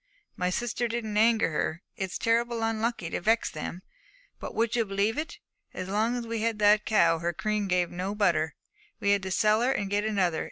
My sister didn't anger her. It's terrible unlucky to vex them. But would you believe it? as long as we had that cow her cream gave no butter. We had to sell her and get another.